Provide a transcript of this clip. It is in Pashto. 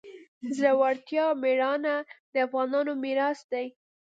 زړورتیا او میړانه د افغانانو میراث دی.